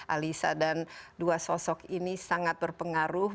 alisa dan dua sosok ini sangat berpengaruh